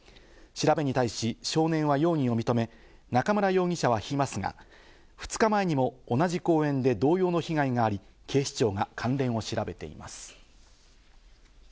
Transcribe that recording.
調べに対し少年は容疑を認め中村容疑者は否認していますが、２日前にも同じ公園で同様の被害があり、警視庁が関連を調べています。